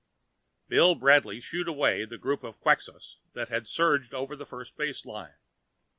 Bill Bradley shooed away the group of Quxas that had surged over the first base line.